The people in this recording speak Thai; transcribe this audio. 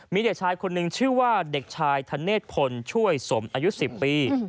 มีเด็กชายคนนึงชื่อว่าเด็กชายธเนธพลช่วยสมอายุ๑๐ปี